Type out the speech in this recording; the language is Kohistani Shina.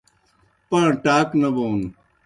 پاں ٹاک نہ بون